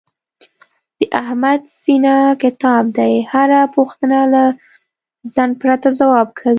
د احمد سینه کتاب دی، هره پوښتنه له ځنډ پرته ځواب کوي.